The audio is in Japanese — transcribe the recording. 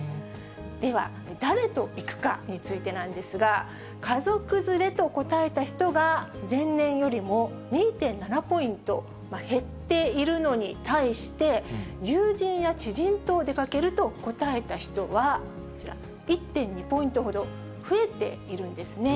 では、誰と行くかについてなんですが、家族連れと答えた人が、前年よりも２．７ポイント減っているのに対して、友人や知人と出かけると答えた人はこちら、１．２ポイントほど増えているんですね。